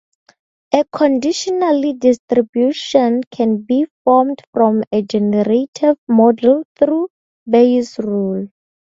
A conditional distribution can be formed from a generative model through Bayes' rule.